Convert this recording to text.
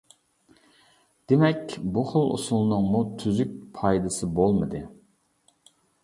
دېمەك بۇ خىل ئۇسسۇلنىڭمۇ تۈزۈك پايدىسى بولمىدى.